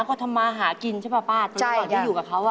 ก็ทำมาหากินใช่ป่าป่าตอนที่อยู่กับเขา